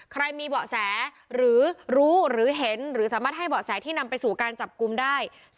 ใครมีเบาะแสหรือรู้หรือเห็นหรือสามารถให้เบาะแสที่นำไปสู่การจับกลุ่มได้